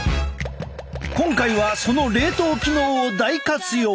今回はその冷凍機能を大活用！